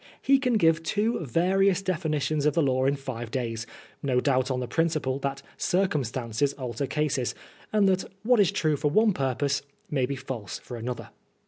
He can give two various definitions of the law in five days, no doubt on the principle that circumstances alter cases, and that what is true for one purpose may be false for another.